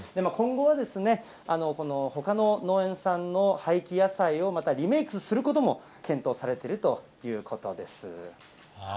今後は、ほかの農園さんの廃棄野菜をまたリメークすることも検討されてるということです。